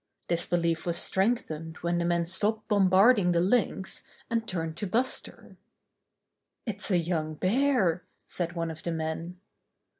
This belief was strengthened when the men stopped bombarding the Lynx, and turned to Buster. "It's a young bear!" said one of the men.